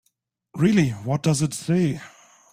Really, what does it say?